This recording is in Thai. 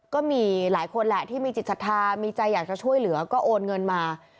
ก็มีหลายคนแหละที่มีจิตศรัทธามีใจอยากจะช่วยเหลือก็โอนเงินมา